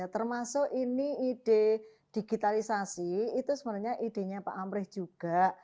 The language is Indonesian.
termasuk ini ide digitalisasi itu sebenarnya idenya pak amrih juga